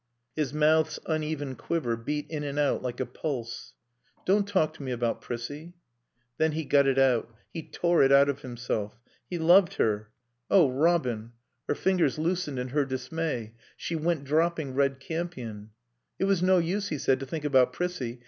His mouth's uneven quiver beat in and out like a pulse. "Don't talk to me about Prissie!" Then he got it out. He tore it out of himself. He loved her. "Oh, Robin " Her fingers loosened in her dismay; she went dropping red campion. It was no use, he said, to think about Prissie.